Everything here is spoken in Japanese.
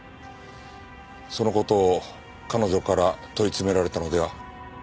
その事を彼女から問い詰められたのでは？